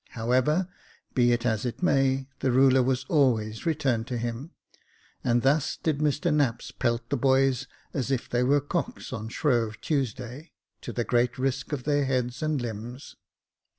However, be it as it may, the ruler was always returned to him ; and thus did Mr Knapps pelt the boys as if they were cocks on Shrove Tuesday, to the great risk of their heads and limbs.